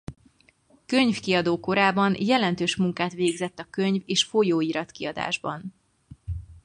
Könyvkiadó korában jelentős munkát végzett a könyv- és folyóirat-kiadásban.